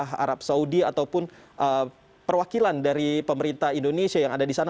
pemerintah arab saudi ataupun perwakilan dari pemerintah indonesia yang ada di sana